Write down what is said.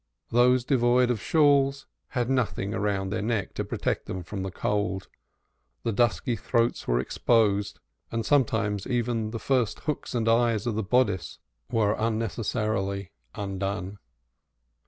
The women devoid of shawls had nothing around their necks to protect them from the cold, the dusky throats were exposed, and sometimes even the first hooks and eyes of the bodice were unnecessarily undone.